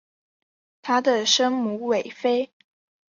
她的生母韦妃。